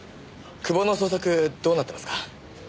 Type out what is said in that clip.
久保の捜索どうなってますか？